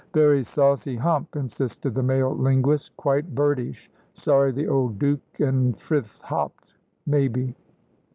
"Very saucy hump," insisted the male linguist "quite birdish. Sorry the old Duke an' Frith hopped, maybe."